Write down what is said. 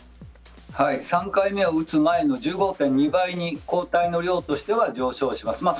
３回目を打つ前の１５．２倍に抗体の量としては上昇します。